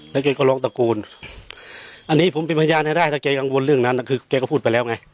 แล้วแกก็ร้องตะโกนอันนี้ผมเป็นพยานให้ได้ถ้าแกกังวลเรื่องนั้นคือแกก็พูดไปแล้วไง